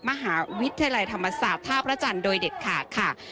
มหาวิทยาลัยธรรมศาสตร์ท่าพระจันทร์โดยเด็ดขาดค่ะ